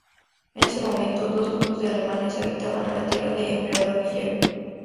En ese momento, dos grupos de alemanes habitaban la Tierra del Emperador Guillermo.